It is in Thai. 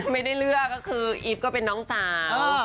ไม่ได้เลือกก็คืออีฟก็เป็นน้องสาว